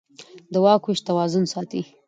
د واک وېش توازن ساتي